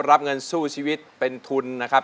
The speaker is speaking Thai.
รับเงินสู้ชีวิตเป็นทุนนะครับ